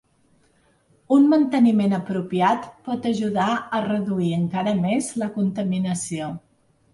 Un manteniment apropiat pot ajudar a reduir encara més la contaminació.